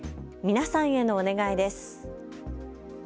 皆さんへのお願いです。